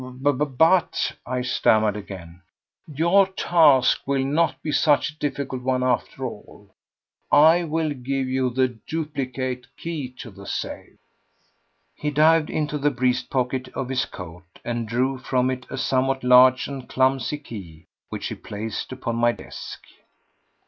"But—" I stammered again. "Your task will not be such a difficult one after all. I will give you the duplicate key of the safe." He dived into the breast pocket of his coat, and drew from it a somewhat large and clumsy key, which he placed upon my desk.